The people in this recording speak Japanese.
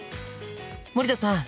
森田さん